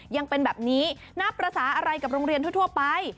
ยังเป็นแบบนี้นับภาษาอะไรกับโรงเรียนทั่วไป